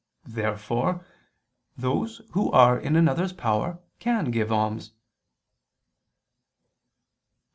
Therefore those who are in another's power can give alms. Obj.